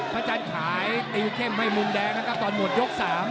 อาจารย์ขายติวเข้มให้มุมแดงนะครับตอนหมดยก๓